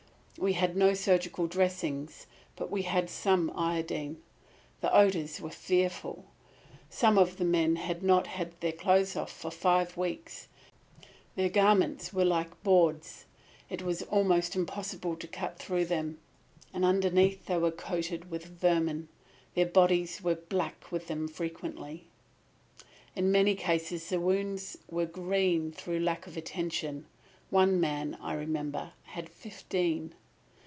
"We had no surgical dressings, but we had some iodine. The odours were fearful. Some of the men had not had their clothes off for five weeks. Their garments were like boards. It was almost impossible to cut through them. And underneath they were coated with vermin. Their bodies were black with them frequently. "In many cases the wounds were green through lack of attention. One man, I remember, had fifteen.